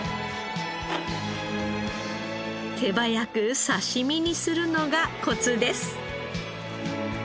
手早く刺し身にするのがコツです。